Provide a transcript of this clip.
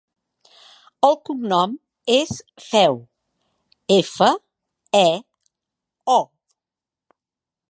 El cognom és Feo: efa, e, o.